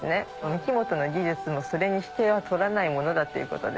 ミキモトの技術もそれに引けを取らないものだっていうことで。